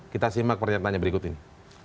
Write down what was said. kita simak pernyataannya berikut ini